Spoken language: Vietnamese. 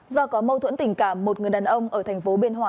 do có mâu thuẫn tình cảm một người đàn ông ở thành phố biên hòa